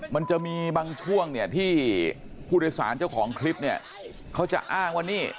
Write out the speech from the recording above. มันจะมีบางช่วงเนี่ยที่ผู้โดยสารเจ้าของคลิปเนี่ยเขาจะอ้างว่านี่